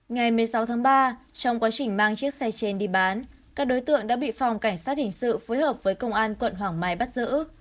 ngày một mươi sáu tháng ba trong quá trình mang chiếc xe trên đi bán các đối tượng đã bị phòng cảnh sát hình sự phối hợp với công an quận hoàng mai bắt giữ